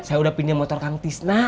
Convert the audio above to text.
saya udah punya motor kang tisna